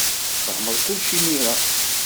Fehmeɣ kullec imir-a.